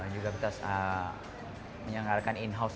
juga kita menyelenggarakan in house